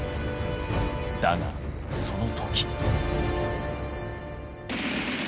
だがその時。